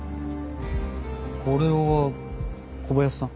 これは小林さん？